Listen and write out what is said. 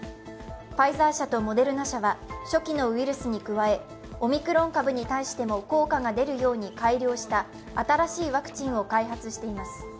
ファイザー社とモデルナ社は初期のウイルスに加えオミクロン株に対しても効果が出るように改良した新しいワクチンを開発しています。